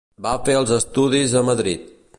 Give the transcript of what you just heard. Va fer els estudis a Madrid.